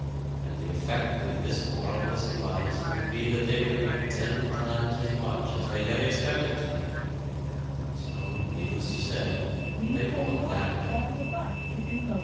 And the effect of this marvelous device would be that they would make ten times as much as they had expected to make! So, needless to say, they bought that way.